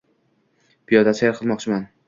Piyoda sayr qilmoqchiman.